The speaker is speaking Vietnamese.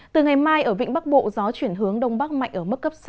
từ ngày mai ở vịnh bắc bộ gió chuyển hướng đông bắc mạnh ở mức cấp sáu